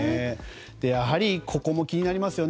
やはりここも気になりますよね。